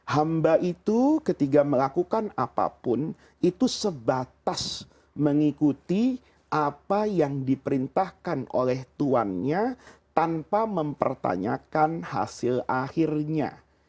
hamba itu ketika melakukan apapun itu sebatas mengikuti apa yang diperintahkan oleh tuannya tanpa mempertanyakan hasil akhirnya